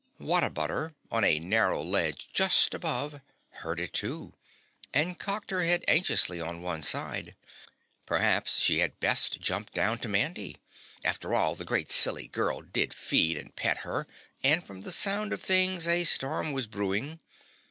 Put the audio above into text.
What a butter on a narrow ledge just above heard it too, and cocked her head anxiously on one side. Perhaps she had best jump down to Mandy. After all, the great silly girl did feed and pet her, and from the sound of things a storm was brewing.